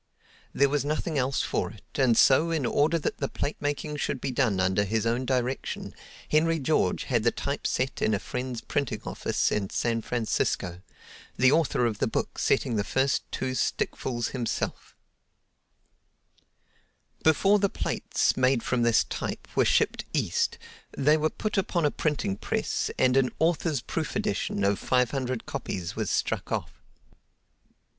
There was nothing else for it, and so in order that the plate making should be done under his own direction Henry George had the type set in a friend's printing office in San Francisco, the author of the book setting the first two stickfuls himself. Before the plates, made from this type, were shipped East, they were put upon a printing press and an "Author's Proof Edition" of five hundred copies was struck off.